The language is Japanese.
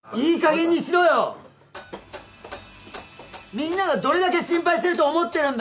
みんながどれだけ心配してると思ってんだ